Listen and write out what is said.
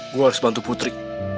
gue harus bantu putri